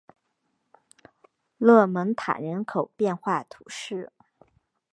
勒蒙塔人口变化图示